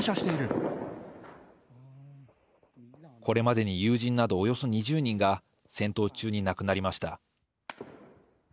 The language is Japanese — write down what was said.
これまでに友人などおよそ２０人が戦闘中に亡くなりました。